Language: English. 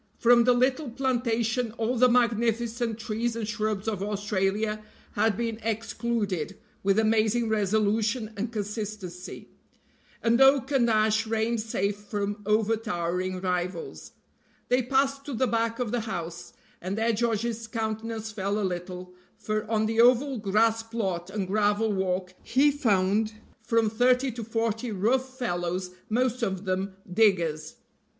From the little plantation all the magnificent trees and shrubs of Australia had been excluded with amazing resolution and consistency, and oak and ash reigned safe from overtowering rivals. They passed to the back of the house, and there George's countenance fell a little, for on the oval grass plot and gravel walk he found from thirty to forty rough fellows, most of them diggers.